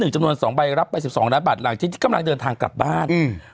หนึ่งจำนวนสองใบรับไป๑๒ล้านบาทหลังที่กำลังเดินทางกลับบ้าน